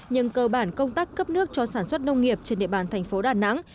nhưng cơ bản công tác cấp nước cho sản xuất nông nghiệp trên địa bàn thành phố đà nẵng